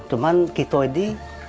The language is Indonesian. cuman kita ini